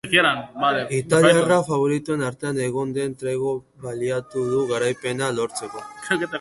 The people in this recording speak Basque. Italiarrak faboritoen artean egon den tregoa baliatu du garaipena lortzeko.